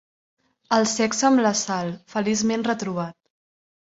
El sexe amb la Sal, feliçment retrobat.